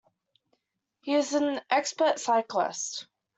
He is an expert cyclist.